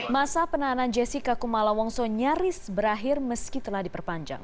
masa penahanan jessica kumala wongso nyaris berakhir meski telah diperpanjang